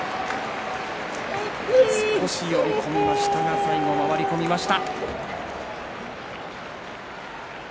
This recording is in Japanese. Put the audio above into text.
少し呼び込みましたが最後、回り込みました。